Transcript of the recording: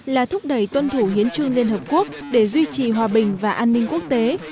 là thúc đẩy tuân thủ hiến trương liên hợp quốc để duy trì hòa bình và an ninh quốc tế